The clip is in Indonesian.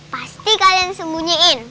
pasti kalian sembunyiin